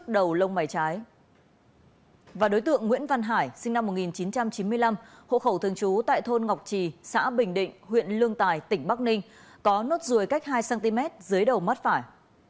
và đối tượng nguyễn văn hải sinh năm một nghìn chín trăm chín mươi năm hộ khẩu thường trú tại thôn ngọc trì xã bình định huyện lương tài tỉnh bắc ninh có nốt ruồi cách hai cm dưới đầu mắt phải